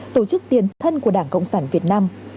tổ chức tiền thân của đảng cộng sản việt nam